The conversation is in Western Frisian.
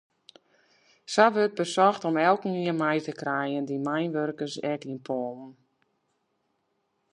Sa wurdt besocht om elkenien mei te krijen, de mynwurkers yn Poalen ek.